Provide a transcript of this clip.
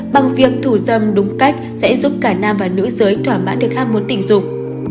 bằng việc thủ dâm đúng cách sẽ giúp cả nam và nữ giới thỏa mãn được ham muốn tình dục